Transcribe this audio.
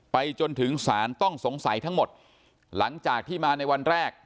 จนถึงสารต้องสงสัยทั้งหมดหลังจากที่มาในวันแรก